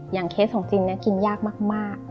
เคสของจินกินยากมาก